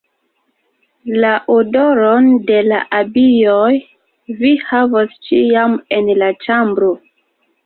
La odoron de la abioj vi havos ĉiam en la ĉambro.